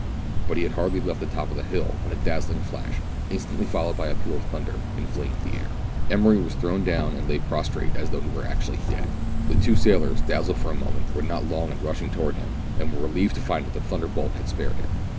But he had hardly left the top of the hill, when a dazzling flash, instantly followed by a peal of thunder, inflamed the air. Emery was thrown down, and lay prostrate, as though he were actually dead. The two sailors, dazzled for a moment, were not long in rushing towards him, and were relieved to find that the thunderbolt had spared him.